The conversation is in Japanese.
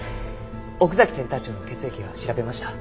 奥崎センター長の血液は調べました？